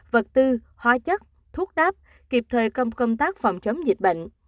vật tư hóa chất thuốc đáp kịp thời trong công tác phòng chống dịch bệnh